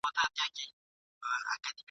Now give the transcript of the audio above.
خو باید وي له رمې لیري ساتلی !.